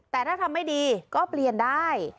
แต่ถ้าทำไม่ดีก็เปลี่ยนได้